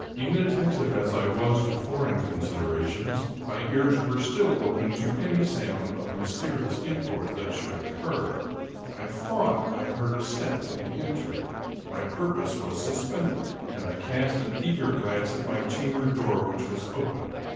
In attentive as I was to foreign considerations, my ears were still open to any sound of mysterious import that should occur. I thought I heard a step in the entry. My purpose was suspended, and I cast an eager glance at my chamber door, which was open.